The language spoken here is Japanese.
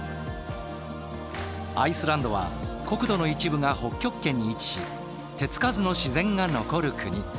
アイスランドは国土の一部が北極圏に位置し手付かずの自然が残る国。